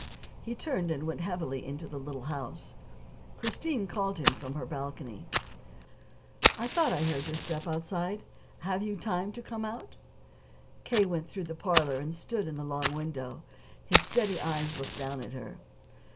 He turned and went heavily into the little house. Christine called to him from her little balcony: "I thought I heard your step outside. Have you time to come out?" K. went through the parlor and stood in the long window. His steady eyes looked down at her.